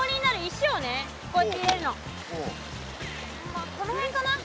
まあこのへんかな。